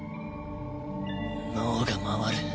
脳が回る。